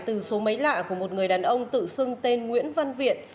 từ số máy lạ của một người đàn ông tự xưng tên nguyễn văn viện